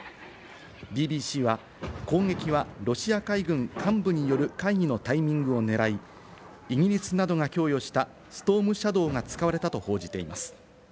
ＢＢＣは、攻撃はロシア海軍幹部による会議のタイミングを狙い、イギリスなどが供与した「ストーム・シャドウ」が使われたと報じています。